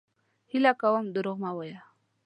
هيله کوم دروغ مه وايه!